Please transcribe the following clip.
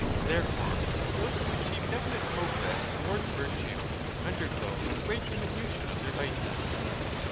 There fore those who achieve definite progress towards virtue undergo a great diminution of their vices.